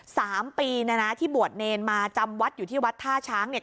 สามปีเนี่ยนะที่บวชเนรมาจำวัดอยู่ที่วัดท่าช้างเนี่ย